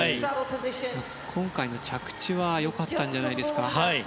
でも今回の着地は良かったんじゃないですか。